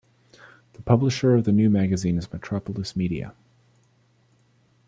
The publisher of the new magazine is Metropolis Media.